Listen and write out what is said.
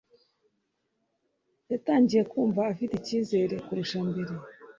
yatangiye kumva afite icyizere kurusha mbere.